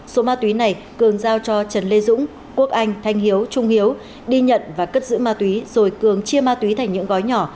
số ma túy này cường giao cho trần lê dũng quốc anh thanh hiếu trung hiếu đi nhận và cất giữ ma túy rồi cường chia ma túy thành những gói nhỏ